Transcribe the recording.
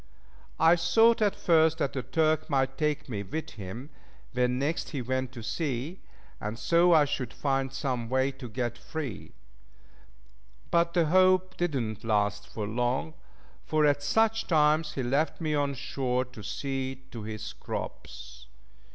I thought at first that the Turk might take me with him when next he went to sea, and so I should find some way to get free; but the hope did not last long, for at such times he left me on shore to see to his crops.